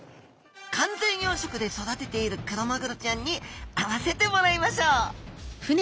完全養殖で育てているクロマグロちゃんに会わせてもらいましょう。